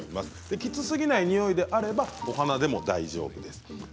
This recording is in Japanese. きつすぎないにおいであればお花でも大丈夫です。